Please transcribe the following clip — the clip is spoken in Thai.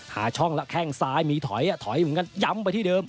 หาช่องแล้วแข้งซ้ายมีถอยถอยเหมือนกันย้ำไปที่เดิม